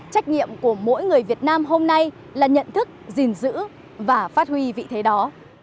trách nhiệm của mỗi người việt nam hôm nay là nhận thức gìn giữ và phát huy vị thế đó